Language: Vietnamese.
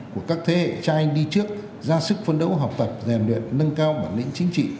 của các thế hệ trai đi trước ra sức phân đấu học tập giàn luyện nâng cao bản lĩnh chính trị